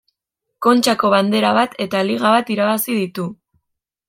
Kontxako Bandera bat eta Liga bat irabazi ditu.